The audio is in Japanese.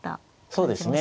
そうですね。